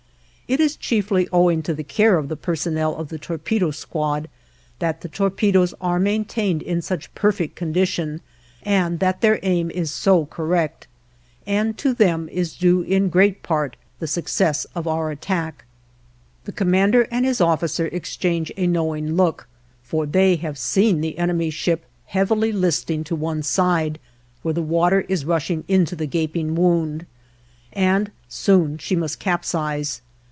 It is chiefly owing to the care of the personnel of the torpedo squad, that the torpedoes are maintained in such perfect condition and that their aim is so correct; and to them is due in great part the success of our attack. The commander and his officer exchange a knowing look, for they have seen the enemy's ship heavily listing to one side, where the water is rushing into the gaping wound, and soon she must capsize.